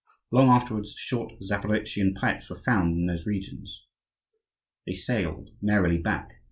Long afterwards, short Zaporozhian pipes were found in those regions. They sailed merrily back.